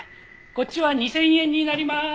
こっちは２０００円になりまーす。